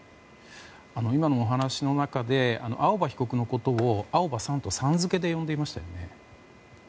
今のお話の中で青葉被告のことを青葉さんとさん付けで呼んでいましたよね。